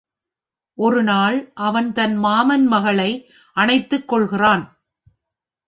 ஒரு நாள் அவன் தன் மாமன் மகளை அணைத்துக் கொள்கிறான்.